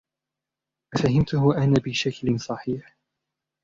أفهمته أنا بشكل صحيح؟